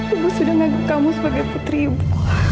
ibu sudah ngadu kamu sebagai putri ibu